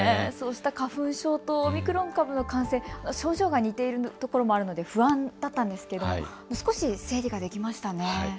そうした花粉症とオミクロン株の感染、症状が似ているところもあるので不安はあったんですけれども、少し整理はできましたね。